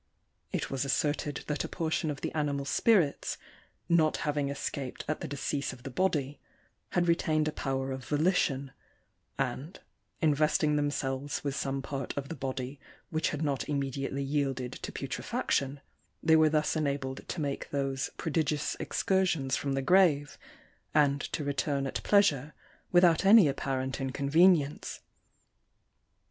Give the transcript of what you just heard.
— It was asserted that a portion of the animal spirits, not having escaped at the decease of the body, had retained a power of volition ; and, investing themselves with some part of the body which had not immediately yielded to putrefaction, tbey were thus enabled to make those prodigious excursions from the grave, and to return at pleasure without any apparent inconvenience.